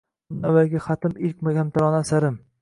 Bundan avvalgi xatim ilk kamtarona asarim